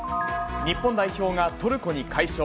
日本代表がトルコに快勝。